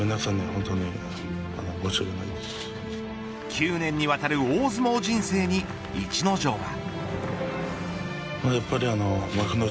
９年にわたる大相撲人生に逸ノ城は。